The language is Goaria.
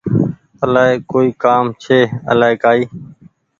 آلآئي ڪوئي ڪآم ڇي آلآئي ڪآئي